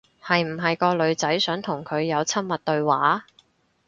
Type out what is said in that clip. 係唔係個女仔想同佢有親密對話？